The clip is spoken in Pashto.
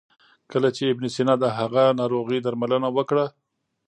کله چې ابن سینا د هغه ناروغي درملنه وکړه.